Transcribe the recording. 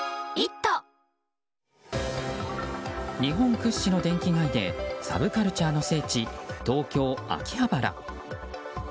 日本屈指の電気街でサブカルチャーの聖地東京・秋葉原。